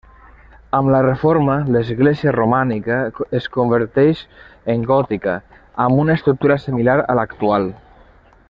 Amb la reforma, l'església romànica es converteix en gòtica amb una estructura similar a l'actual.